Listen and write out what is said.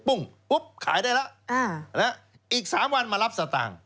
ปุ้งปุ๊บขายได้แล้วอีก๓วันมารับสตางค์